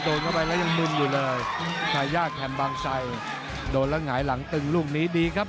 โดนเข้าไปแล้วยังมึนอยู่เลยทายาทแคมบางชัยโดนแล้วหงายหลังตึงลูกนี้ดีครับ